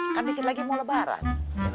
nanti pak dikit lagi mau lebaran